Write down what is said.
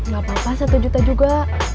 gak apa apa satu juta juga